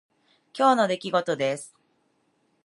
今日の出来事です。